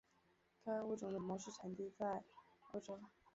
该物种的模式产地在欧洲。